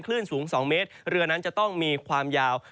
คลื่นสูง๒เมตรเรือนั้นจะต้องมีความยาว